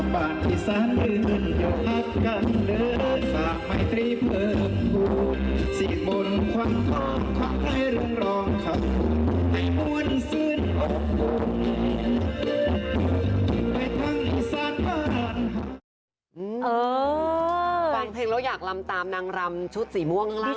ฟังเพลงแล้วอยากลำนางรำชุดสีม่วงล่างเลยค่ะ